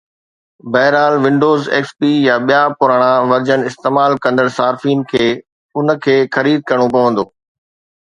بهرحال، Windows, XP يا ٻيا پراڻا ورجن استعمال ڪندڙ صارفين کي ان کي خريد ڪرڻو پوندو